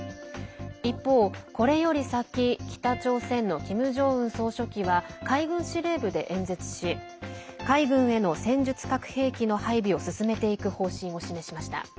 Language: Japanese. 一方、これより先、北朝鮮のキム・ジョンウン総書記は海軍司令部で演説し海軍への戦術核兵器の配備を進めていく方針を示しました。